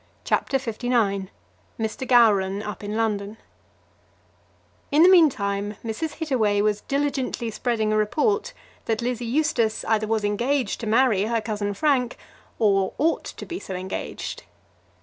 CHAPTER LIX Mr. Gowran Up in London In the meantime Mrs. Hittaway was diligently spreading a report that Lizzie Eustace either was engaged to marry her cousin Frank, or ought to be so engaged.